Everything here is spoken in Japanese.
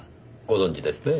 ご存じですね？